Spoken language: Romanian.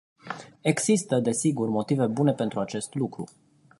Există, desigur, motive bune pentru acest lucru.